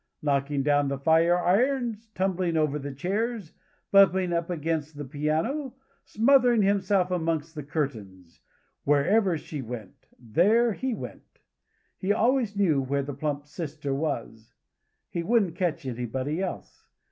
Knocking down the fire irons, tumbling over the chairs, bumping up against the piano, smothering himself amongst the curtains, wherever she went, there went he! He always knew where the plump sister was. He wouldn't catch anybody else.